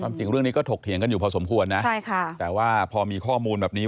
จริงเรื่องนี้ก็ถกเถียงกันอยู่พอสมควรนะใช่ค่ะแต่ว่าพอมีข้อมูลแบบนี้